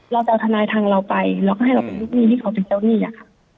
เราจะเอาทนายทางเราไปเราก็ให้เราเป็นลูกหนี้ที่เขาเป็นเจ้าหนี้อะค่ะ